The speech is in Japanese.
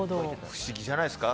不思議じゃないですか。